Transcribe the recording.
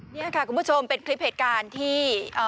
นี่ค่ะคุณผู้ชมเป็นคลิปเหตุการณ์ที่